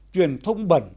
truyền thông bẩn